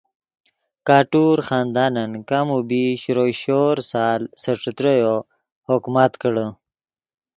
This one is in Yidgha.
کٹور خاندانن کم و بیش شروئے شور سال سے ݯتریو حکومت کڑے